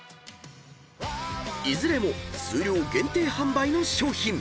［いずれも数量限定販売の商品］